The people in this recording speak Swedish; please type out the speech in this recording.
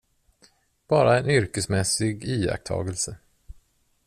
Bara en yrkesmässig iakttagelse.